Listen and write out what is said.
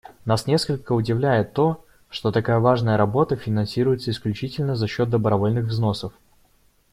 Нас несколько удивляет то, что такая важная работа финансируется исключительно за счет добровольных взносов.